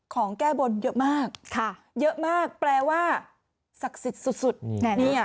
ของแก้บนเยอะมากค่ะเยอะมากแปลว่าศักดิ์สิทธิ์สุดสุดนี่นี่อ่ะ